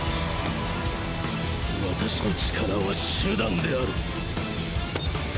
私の力は手段である。